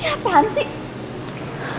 ini apang sih